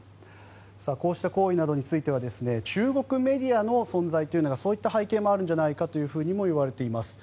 こうした行為などについては中国メディアの存在というのがそういった背景もあるんじゃないかとも言われています。